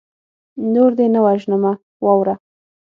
نور دې نه وژنمه واوره